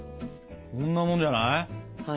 こんなもんじゃない？